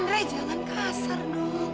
andre jangan kasar dong